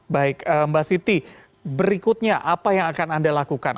baik mbak siti berikutnya apa yang akan anda lakukan